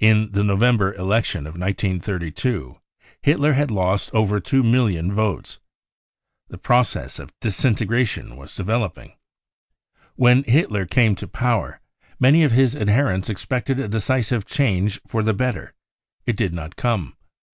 In the November election of 1932 Hitler , had lost over 2,000,000 votes. The process of disintegra tion was developing. When Hitler came to power, many of ; his adherents expected a decisive change for the better. It I did not come.